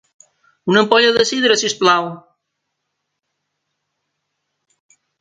Una ampolla de sidra, sisplau.